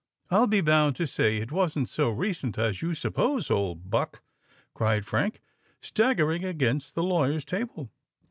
"I'll be bound to say it wasn't so recent as you suppose, old buck," cried Frank, staggering against the lawyer's table.